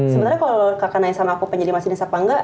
sebenarnya kalau kakak naysan aku menjadi masinis apa enggak